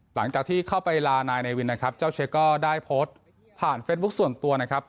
หลังจากที่เข้าไปลานายเนวินนะครับเจ้าเชคก็ได้โพสต์ผ่านเฟซบุ๊คส่วนตัวนะครับ